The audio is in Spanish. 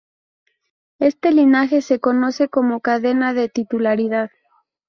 Este linaje se conoce como cadena de titularidad.